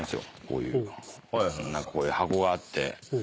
こういう箱があって。